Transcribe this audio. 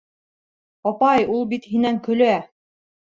Апай, ул бит һинән көлә!